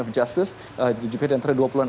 of justice di jepang dan antara dua puluh an